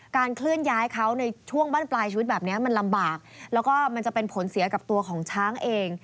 เคลื่อนย้ายเขาในช่วงบ้านปลายชีวิตแบบนี้มันลำบากแล้วก็มันจะเป็นผลเสียกับตัวของช้างเอง